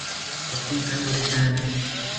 ปรับปรุงการบริการ